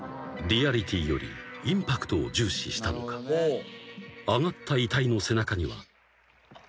［リアリティーよりインパクトを重視したのか揚がった遺体の背中には］